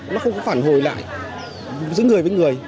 nó không có phản hồi lại giữa người với người